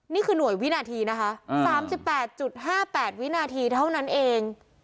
นี่คือหน่วยวินาทีนะคะ๓๘๕๘วินาทีเท่านั้นเอง